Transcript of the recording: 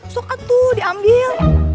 sokot tuh diambil